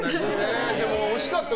でも、惜しかったよ？